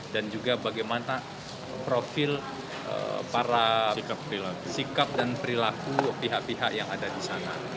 juga bagaimana profil para sikap dan perilaku pihak pihak yang ada di sana